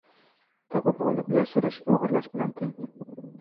• Topib olib, yashirish o‘g‘irlash bilan teng.